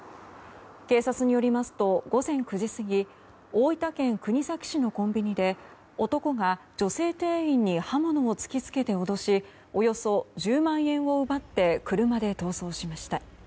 警察によりますと午前９時過ぎ大分県国東市のコンビニで男が女性店員に刃物を突き付けて脅しおよそ１０万円を奪って車で逃走しました。